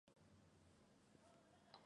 Rolf Lüders, por ejemplo, plantea esta idea.